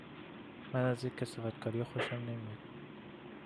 من از این کثافت کاریا خوشم نمیاد